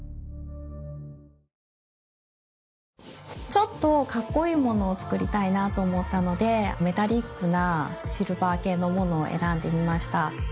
ちょっとカッコいいものを作りたいなと思ったのでメタリックなシルバー系のものを選んでみました。